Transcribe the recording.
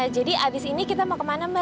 jadi abis ini kita mau kemana mbak